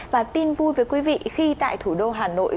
và tin vui với quý vị khi tại thủ đô hà nội